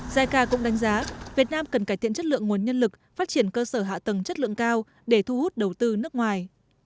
jica cũng đánh giá việt nam cần cải thiện chất lượng nguồn nhân lực phát triển cơ sở hạ tầng chất lượng cao để thu hút đầu tư nước ngoài